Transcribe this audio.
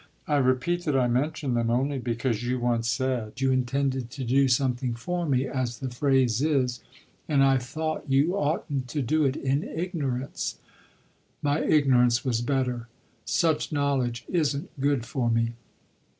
I repeat that I mention them only because you once said you intended to do something for me, as the phrase is, and I thought you oughtn't to do it in ignorance." "My ignorance was better. Such knowledge isn't good for me."